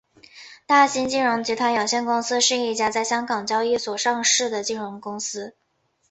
大新金融集团有限公司是一家在香港交易所上市的金融公司。